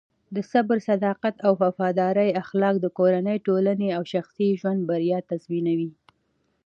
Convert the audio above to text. د صبر، صداقت او وفادارۍ اخلاق د کورنۍ، ټولنې او شخصي ژوند بریا تضمینوي.